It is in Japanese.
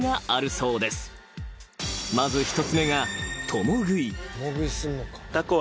［まず１つ目が］